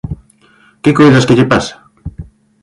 Que coidas que lle pasa?